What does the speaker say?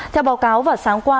theo báo cáo vào sáng qua